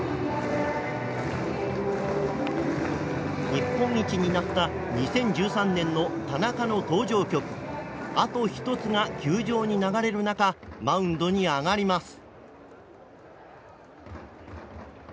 日本一になった２０１３年の田中の登場曲が流れる中マウンドに上がります。